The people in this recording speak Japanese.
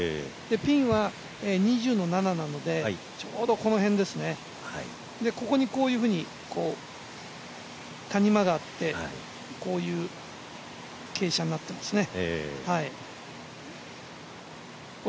ピンは２０の７なのでちょうどこの辺ですね、ここにこういうふうに谷間があって、こういう傾斜になっていますね。